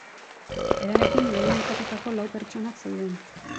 Berarekin lehen aipatutako lau pertsonak zeuden.